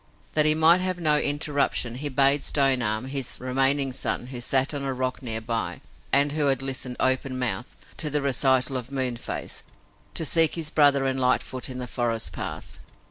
That he might have no interruption he bade Stone Arm, his remaining son, who sat on a rock near by, and who had listened, open mouthed, to the recital of Moonface, to seek his brother and Lightfoot in the forest path.